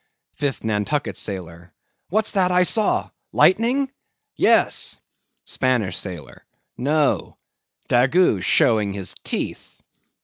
5TH NANTUCKET SAILOR. What's that I saw—lightning? Yes. SPANISH SAILOR. No; Daggoo showing his teeth.